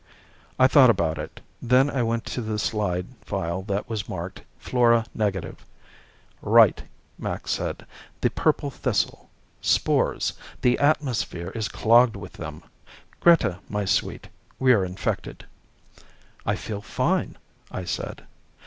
I thought about it. Then I went to the slide file that was marked flora negative. "Right," Max said. "The purple thistle. Spores! The atmosphere is clogged with them. Greta, my sweet, we're infected." "I feel fine," I said.